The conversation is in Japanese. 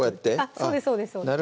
そうですそうです